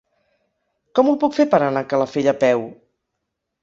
Com ho puc fer per anar a Calafell a peu?